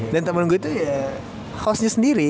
dan temen gue tuh ya hostnya sendiri